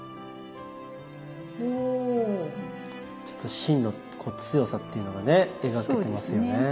ちょっと芯の強さっていうのがね描けてますよね。